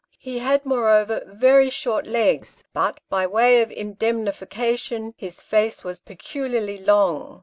He had, moreover, very short legs, but, by way of indemnification, his face was peculiarly long.